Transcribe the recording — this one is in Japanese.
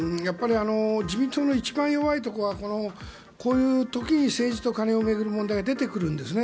自民党の一番弱いところはこういう時に政治と金を巡る問題が出てくるんですね。